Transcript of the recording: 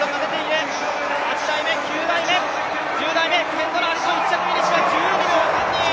ケンドラ・ハリソン１着フィニッシュは１２秒３２。